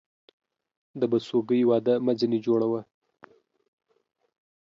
د بسوگى واده مه ځيني جوړوه.